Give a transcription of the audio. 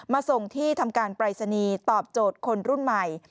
ส่งที่ทำการปรายศนีย์ตอบโจทย์คนรุ่นใหม่